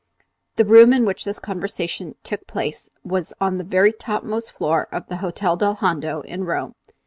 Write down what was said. The room in which this conversation took place was on the very topmost floor of the Hotel del Hondo in Rome.